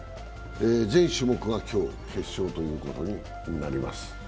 全種目が今日、決勝ということになります。